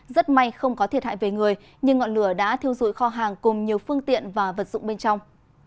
rất may không có thiệt hại về người nhưng ngọn lửa đã thiêu dụi kho hàng cùng nhiều phương tiện và vật dụng bên trong